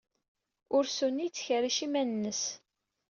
Ursu-nni yettkerric iman-nnes.